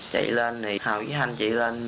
chạy lên thì hàu với hanh chạy lên